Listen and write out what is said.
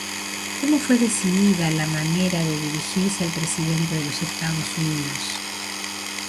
¿Cómo fue decidida la manera de dirigirse al Presidente de los Estados Unidos?